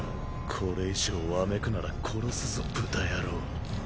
これ以上わめくなら殺すぞ豚野郎。